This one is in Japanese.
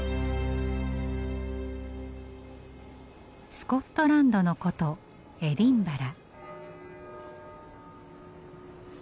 スコットランドの古都エディンバラ。